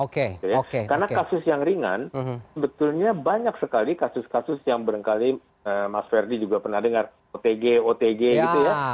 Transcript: karena kasus yang ringan sebetulnya banyak sekali kasus kasus yang berengkali mas ferdi juga pernah dengar otg otg gitu ya